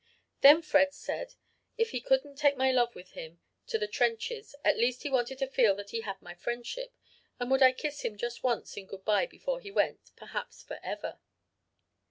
"Then Fred said if he couldn't take my love with him to the trenches at least he wanted to feel that he had my friendship, and would I kiss him just once in good bye before he went perhaps for ever?